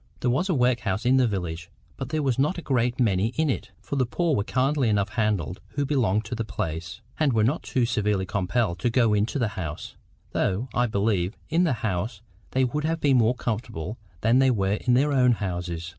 There was a workhouse in the village, but there were not a great many in it; for the poor were kindly enough handled who belonged to the place, and were not too severely compelled to go into the house; though, I believe, in this house they would have been more comfortable than they were in their own houses.